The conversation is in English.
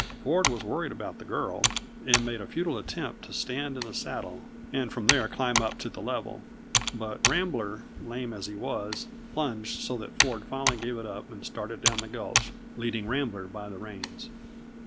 Ford was worried about the girl, and made a futile attempt to stand in the saddle and from there climb up to the level. But Rambler, lame as he was, plunged so that Ford finally gave it up and started down the gulch, leading Rambler by the reins.